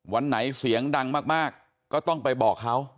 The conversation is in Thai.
วันไหนเสียงดังมากก็ต้องไปบอกเขา